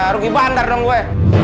rugi bandar dong gue